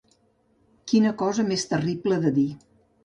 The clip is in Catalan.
Quina cosa més terrible de dir.